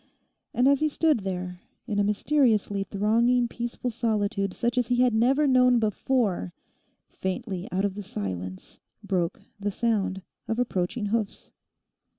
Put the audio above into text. And as he stood there in a mysteriously thronging peaceful solitude such as he had never known before, faintly out of the silence broke the sound of approaching hoofs.